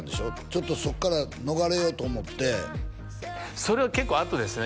ちょっとそっから逃れようと思ってそれは結構あとですね